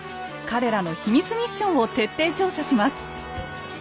彼らの秘密ミッションを徹底調査します。